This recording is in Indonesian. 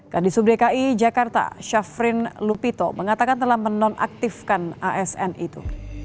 kandi sub dki jakarta syafrin lupito mengatakan telah menonaktifkan asn itu